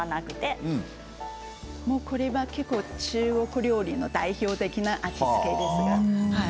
これは中国料理の代表的な味付けです。